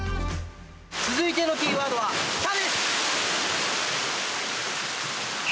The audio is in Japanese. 続いてのキーワードは「た」です！